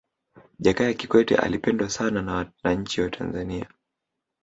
jakaya kikwete alipendwa sana na wananchi wa tanzania